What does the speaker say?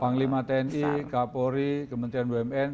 panglima tni kapolri kementerian bumn